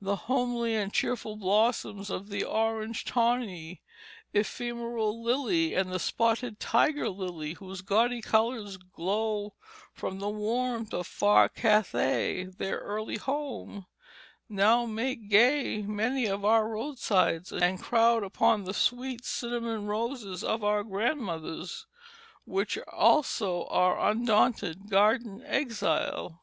The homely and cheerful blossoms of the orange tawny ephemeral lily, and the spotted tiger lily, whose gaudy colors glow with the warmth of far Cathay their early home now make gay many of our roadsides and crowd upon the sweet cinnamon roses of our grandmothers, which also are undaunted garden exiles.